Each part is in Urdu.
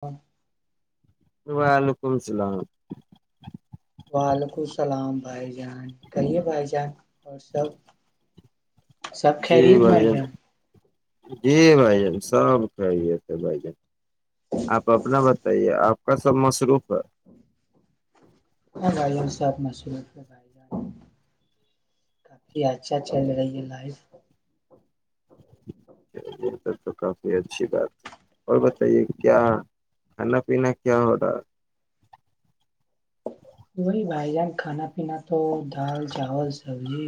اور وعلیکم السلام وعلیکم السلام بھائی جان کہیے بھائی جان اور سب سب جی خیریت بھائی جان یہاں جی بھائی جان سب کھے تھے بھائی جان آپ اپنا بتائیے آپ ا سب مصروف ہے بھائی سب مشور بھائی جان کافی اچھا چل رہی ہے لائف چ یہ س تو کافی اچھی بات ہے اور بتائیے کیا کھانا پینا کیا ہو رہا وہی بھائی جان کھانا پینا تو دال چاول سبزی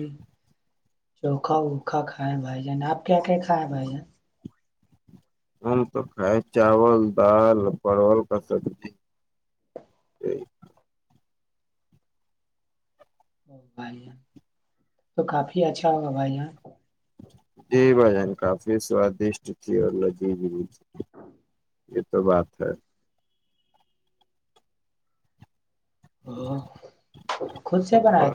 چوکھا ووکھا کھائے بھائی جان آپ کیا کیا کھائےیں بھائی جان ہم تو کھائیں چاول دال پرول کا سبزی بھائی یہاں تو کافی اچھا ہوگا بھائی یہاں جی بھجان کافی سوادشٹ تھی اللہی یہ تو بات ہے ہاں اور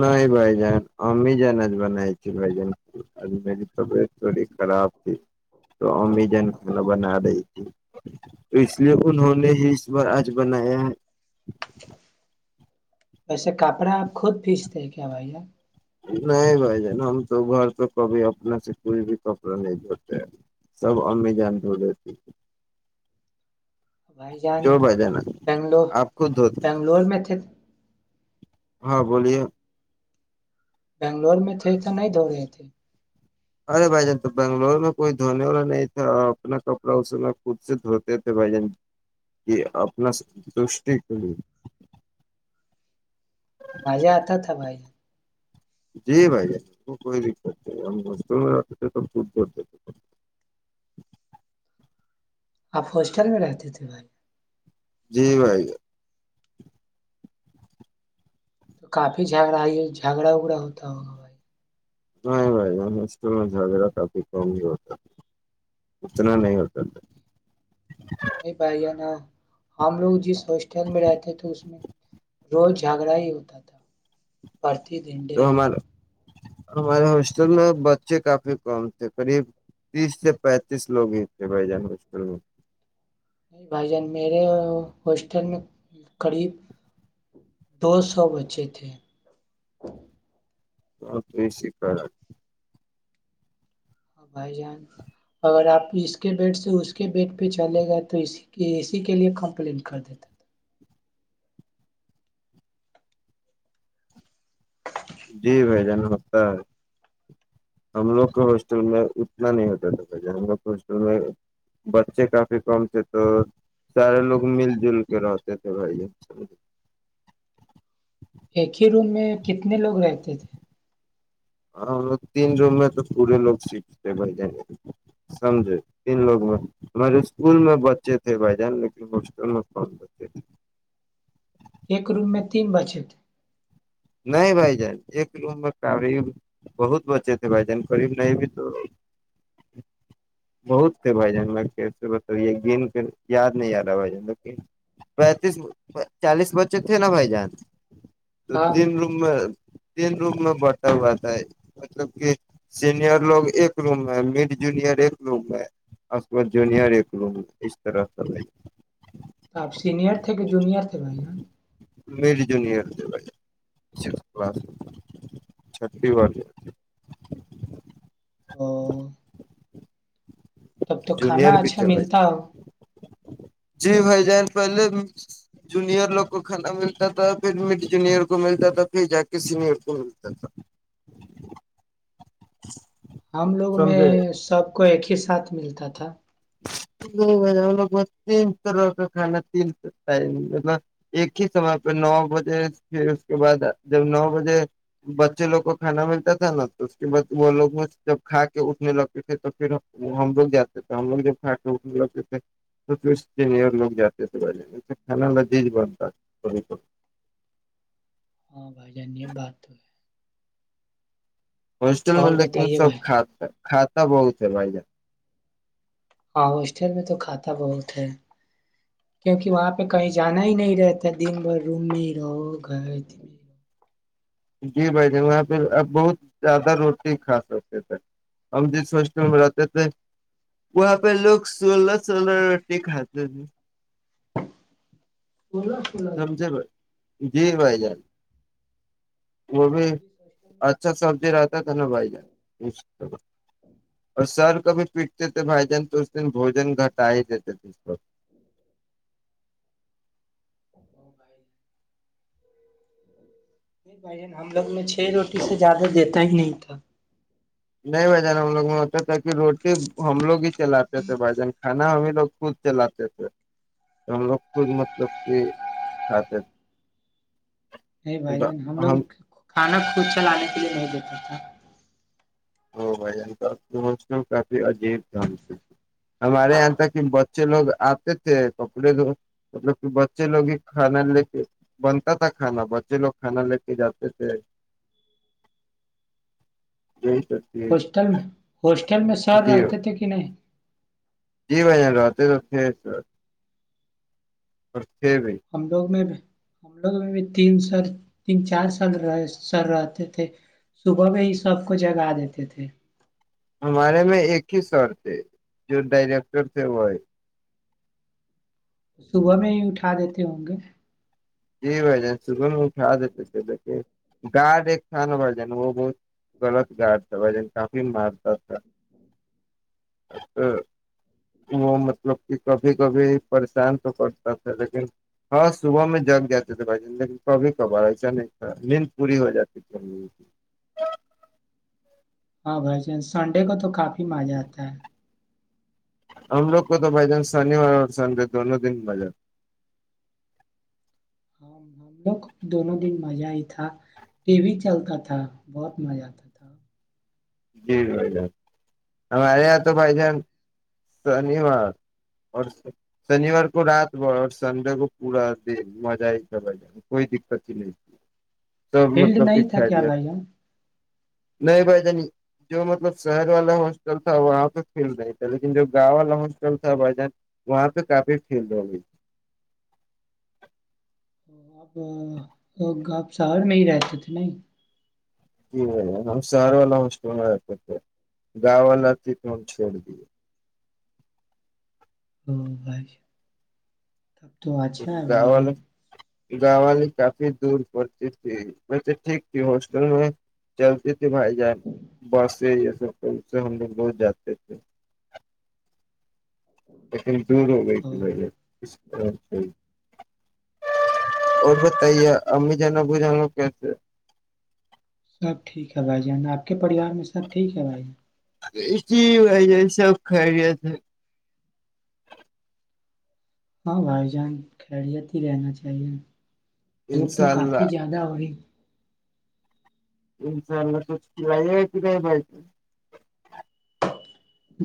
نہیں بھائی جان امیجان آج بنائی تھی بھ جن آج میری طبیعت تھوڑی خراب تھی تو امیجان کھانا بنا رہی تھی تو اس لیے انہوں نے ہی اس بار آج بنایا ہے ویسے کپڑے آپ خود پیستے ہیں کیا بھیا نہیں بھائی جان ہم تو گھر تو کبھی اپنے سے کوئی بھی کپڑا نہیں دھوتے ہیں سب امی جان دھ لیتی بھائی جان بنگلور آپ خود دھوتے بنگلور میں تھے ہاں بولیے بنگلور میں تھے تو نہیں دھ ہو رہے تھے ارے بھائی جان تو بنگلور میں کوئی دھونے والا نہیں تھا اپنا کپڑا اس میں خود سے دھوتے تھے بھائی جان کی اپنا ستش کی مجا آتا تھا بھائی جی بائی ج کو کر م سبودور آپ ہوسٹل میں رہتے تھے بھائی جی بھائی تو کافی جھگڑا جھگڑا اگڑا ہوتا ہوگا بھائی نہیں بھائی ہم اسکول میں جھاگڑا کافی کم ہی ہوتا تھا اتنا نہیں ہوتا تھا نہیں بھائی ہے نا ہم لوگ جس بس اسٹڈ میں رہتے ہیں تو اس میں روز جھگڑا ہی ہوتا تھا ت تو دنڈلی ہمارا ہمارے ہاسٹل میں بچے کافی کم تھے قریب تیس سے پینتیس لوگ ہی تھے بھائی جان ہاسٹل میں بھائی جان میرے ہاسٹل میں قریب دو سو بچے تھے تو کو شکات بھائی جان اگر آپ اس کے بیٹ سے اس کے بیٹ پہ چلے گئے تو اسی اسی کے لیے کمپلین کر دیتا تھا جی بھائی جان ہوتا ہے ہم لوگ کے ہاسٹل میں اتنا نہیں ہوتا تھا بھ جان ہم لوگ کے ہاسٹل میں بچے کافی کم تھے تو سارے لوگ مل جل کے رہتے تھے بھائی ج ایک ہی روم میں کتنے لوگ رہتے تھے ہاں تین روم میں تو پورے لوگ سیکھ تھے بھائی جان سمجھے تین لوگ میں ہمارے اسکول میں بچے تھے بھائی جان لیکن ہسٹل میں کوم بچے تھے ایک روم میں تین بچ تھ نہیں بھائی جان ایک روم قریب بہت بچے تھے بھائی جان قریب نہیں بھی تو بہت تھے بھائی جان ب یہ گ کے یاد نہیں آ رہا بھائی جان لیکن پینتیس چالیس بچے تھے نا بھائی جان ہاں جن روم میں تین روم میں بڑھتا ہوا تھا مطلب کہ سینئر لوگ ایک روم میں مڈ جونیر ایک روم میں اس کے ب جونیئر ایک روم میں اس طرح سے ب تو آپ سینئر تھے کہ جونئر تھے بھائی ہ میری جو نہیں یہ بھائی چھٹی والی او تب تو کھانا اچھا ملتا ہو جی بھائی جان پہلے جونیئر لوگ کو کھانا ملتا تھا پھر مڈ جونیئر کو ملتا تھا پھر جا کے سینئر کو ملتا تھا ہم لوگ میں سمجھے سب آ کو ایک ہی ساتھ ملتا تھا ہم لوگ تین طرح کا کھانا ت مطلب ایک ہی سمے پہ نو بجے پھر اس کے بعد جب نو بجے بچے لوگ کو کھانا ملتا تھا نا تو اس کے بعد وہ لوگ جب کھا کے اٹھنے لگتے تھے تو پھر ہم لوگ جاتے تھے م فٹا ا ل سینر لوگ جاتے تھ بے تھھانا جز بنتا س ہاں بھائی جان یہ بات تو ہے ہاسٹل میں اور لیکن بتائیے سب بھائی کھات کھاتا بہت چلائے ہاں ہسٹل میں تو کھاتا بہت ہے کیونکہ وہاں پہ کہیں جانا ہی نہیں رہتا دن بھر روم میں ہی رہو گھر میں جی بھ جن وہاں پہ آپ بہت زیادہ روٹی کھا سکتے تھے ہم جس میں رہتے تھے وہاں پہ لوگ سولہ سولہ روٹی کھاتے تھے سولہ سولہ روپے سمجھے ب جی بھائی جان وہ بھی اچھا سبزی رہتا تو نبھائی جات اور سر ک پکتے تھے بھ جان تو اس د بوجن گٹا ہی دیتے جی نہیں بھائین ہم لوگ میں چھ روٹی سے زیادہ دیتا ہی نہیں تھا نہیں ب جانا ہم لوگ میں ہوتا تاکہ روٹی ہم لوگ لتے تھ بھجن کھانا ہمیں لوگ خود چلاتے تھے ہم لوگ خود مطلب کہ کھاتے تھے نہیں بھائی جان ہم لوگ کھانا خود چلانے کے لیے نہیں دیتا تھا ا بھائی یہ کافی عجیب تھا ہم ہمارے یہاں تھا کہ بچے لوگ آتے تھے کپڑے دو مطلب کہ بچے لوگ ہی کھانا لے کے بنتا تھا کھانا بچے لوگ کھانا لے کے جاتے تھے یہ ہاسٹل میں سر جی رہتے تھے کہ نہیں اتتے تو تھے اچ ہم لوگ میں ہم لوگ بھی تین سر تین چار سال رہ سر رہتے تھے صبح میں ہی سب کو جگا دیتے تھے ہمارے میں ایک ہی سر تھے جو ڈائریکٹر تھے وہ صبح میں ہی اٹھا دیتے ہوں گے جی بھ جان صبح میں اٹھا دیتے تھے لیک گارڈ ایک تھا نا بھ جان وہ بہت غلط گارڈ تھا بھائی جن کافی مارتا تھا تو وہ مطلب کہ کبھی کبھی پریشان تو کرتا تھا لیکن ہاں صبح میں جگ ج تھ بھائی لیکن کبھی کبار ایسا نہیں تھا نیند پوری ہو جاتی تھی ہاں بھائی ج سنڈے کو تو کافی مزہ آتا ہے ہم لوگ کو تو بھائی جان شنیوار اور سنڈے دونوں دن بجا ہاں ہم لوگ کو بھی دونوں دن مزہ ہی تھا ٹی وی چلتا تھا بہت مزہ آتا تھا جی بھائی جان ہمارے یہاں تو بھائی جان شنیوار اور شنیوار کو رات ب اور سنڈے کو پورا دن مزہ ہی تھا بھائی جان کوئی دقت ہی نہیں تھی فلڈ نہیں تھا کیا بھیا نہیں بھائی ج نہیں جو مطلب شہر والا ہاسٹل تھا وہاں پہ فیلڈ نہیں تھا لیکن جو گاؤں والا ہاسٹل تھا بھائی جان وہاں پہ کافی فیلڈ ہو گی تھی اب آپ شہر میں ہی رہتے تھے نہیں ہم شہر وال ل ہ اسٹنا کرتے گاؤ والال ت تو ہم چھوڑ دے ہ بے [unintelligible] تب تو اچھا ہے بھائی گاؤں والے جان گاؤں والی کافی دور پڑتی تھی میں تو ٹھیک تھی ہاسٹل میں چلتی تھی بائی جائ بس یہ جو اس سے ہم لوگ بہت جاتے تھے دور ہو گئی ت او ب اچ اور بتائیے امی جانا ب جانو کیسے سب ٹھیک ہے بھائی جان آپ کے پریوار میں سب ٹھیک ہے بھائی جان اسی بائی یہ سب خیریت ہے ہاں بھائی جان خیریت ہی رہنا چاہیے دپ تو انشاء کافی اللہ زیادہ ہوی انشاء اللہ تو کیلاائی ہےتی بتی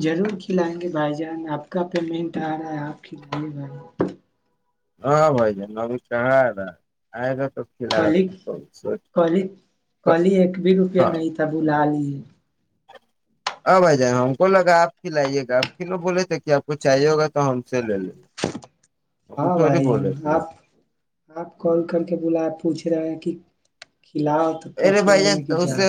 ضرور کھلائیں گے بھائی جان آپ کا پیمنٹ آ رہا ہے آپ کھلے بھائی ہاں بھ جان میں بھی کہا تھا آئے تو کھلا سوچ ک ایک بھی روپیہ نہیں تھا بلا ل ج [unintelligible] اب آ جائیں ہم کو لگا آپ ک لائیے گا آپ کو بولے تھے کہ آپ کو چاہیے ہوگا تو ہم سے لے لیں گے ہاں بھائی جانا آپ آپ کال کر کے بلا پوچھ پھرایا کہ کھلاؤ تو کہ ارے کہہ بھائی رہے جان ہیں تو کہ اس جا سے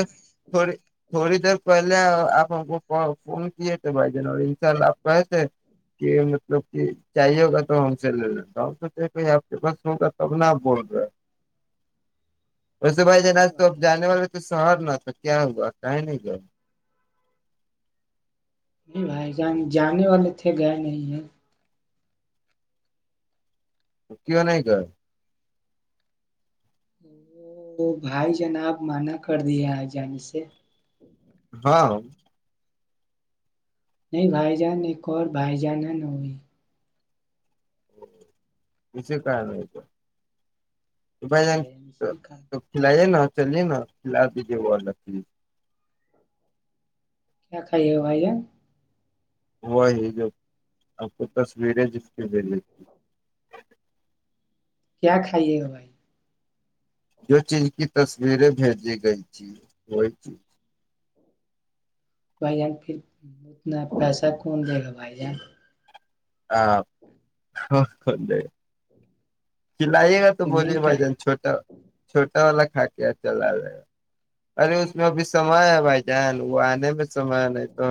تھوڑی تھوڑی دیر پہلے آپ ہم کو فون کیے تھ بھائی جان اور ان شاء اللہ آپ کہس کہ مطلب کہ چاہیے ہوگا تو ہم سے لے لیتا سوچ کہ آپ کے پاس ہوگا تب نہ آپ بول رہے ویسے بھائی جان ہاں تو اب جان جانے والے تو شہر نہ تھا کیا ہوا کہیں نہیں گیا ج جانے والے تھے گئے نہیں ہیں کیوں نہیں کر وہ بھائی جناب منع کر دیا آ جانے سے ہاں نہیں بھائی جان ایک اور بھائی جانہ نئی پسے کا رہتا بھائی ہاں جان اس میں کھا کھلائی ہے نا چلیے نا فلا دیجیے وہ الگ کیا کائیے بھائی ہوا ہی جو آپ کو تصویریں جس کے دلی تیں کیا کھائیے گا بھائی جو چیز کی تصویریں بھیجی گئی تھییں وہی چیز بھائی جان پھر اتنا پیسہ کون دے گا بھائی جان آے [unintelligible] کھلائیے گا تو بولیے پیمنٹ کا بھائی جان چھوٹا چھوٹا والا کھا کے چلا لے ارے اس میں ابھی سمئے ہے بھائی جان وہ آنے میں سمے نہیں تو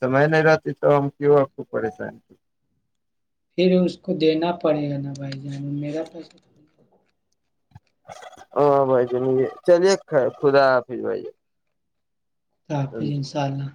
سمئے نہیں رہتی تو ہم کیوں آپ کو پریشان تھ پھر اس کو دینا پڑے گا نا بھائی جان میرا پیسہ ہ بھائی چ م چلیے خر خدا حف بھائی خدا جان حافظ انشاءاللہ